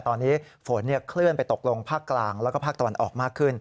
ตอนนี้ฝนเคลื่อนไปตกลงภาคกลางแล้วก็ภาคตะวันออกมากขึ้น